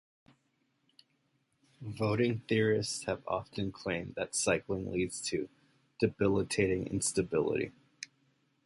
Voting theorists have often claimed that cycling leads to debilitating instability.